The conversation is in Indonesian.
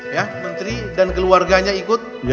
ya menteri dan keluarganya ikut